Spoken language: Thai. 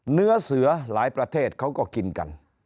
เนื้อเสือหลายประเทศเขาก็กินกัน